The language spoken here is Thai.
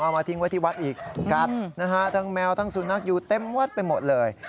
มาทิ้งไว้ที่วัดอีกกัดนะฮะทั้งแมวทั้งสุนัขอยู่เต็มวัดไปหมดเลย